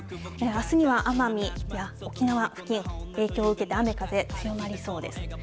あすには奄美や沖縄付近、影響を受けて、雨、風、強まりそうです。